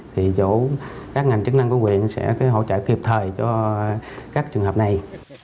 thì chỗ các ngành chức năng của quyện sẽ hỗ trợ kịp thời cho các trường hợp này